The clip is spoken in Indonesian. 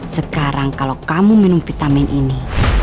sekarang kalau kamu minum vitamin ini